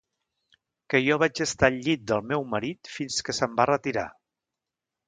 Que jo vaig estar al llit del meu marit fins que se'm va retirar.